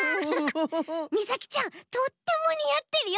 みさきちゃんとってもにあってるよ。